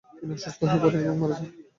তিনি অসুস্থ হয়ে পড়েন এবং মারা যান।